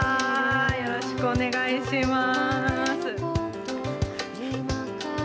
よろしくお願いします。